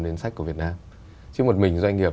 ngân sách của việt nam chứ một mình doanh nghiệp